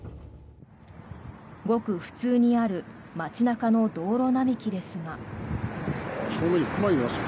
ごく普通にある街中の道路並木ですが。